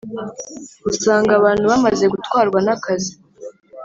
usanga abantu bamaze gutwarwa n’akazi.